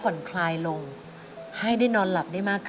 อเรนนี่คือเหตุการณ์เริ่มต้นหลอนช่วงแรกแล้วมีอะไรอีก